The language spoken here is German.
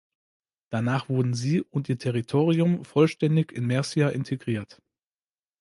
Danach wurden sie und ihr Territorium vollständig in Mercia integriert.